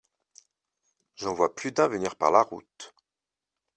J’en vois plus d’un venir par la route.